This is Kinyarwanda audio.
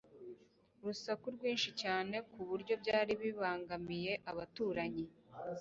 urusaku rwinshi cyane ku buryo byari bibangamiye abaturanyi